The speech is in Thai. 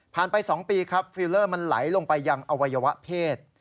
ผ่านไป๒ปีฟีลเลอร์ไหลลงไปยังอวัยวะเพศ